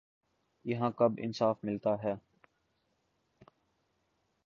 یہاں کب انصاف ملتا ہے